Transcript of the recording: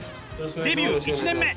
デビュー１年目！